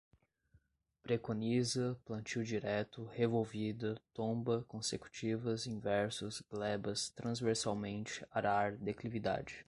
preconiza, plantio direto, revolvida, tomba, consecutivas, inversos, glebas, transversalmente, arar, declividade